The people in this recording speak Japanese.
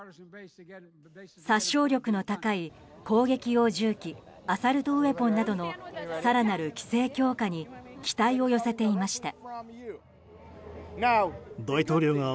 殺傷力の高い攻撃用銃器アサルト・ウェポンなどの更なる規制強化に期待を寄せていました。